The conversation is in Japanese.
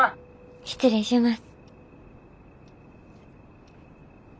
失礼します。